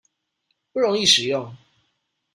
不容易使用